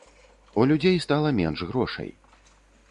У людзей стала менш грошай.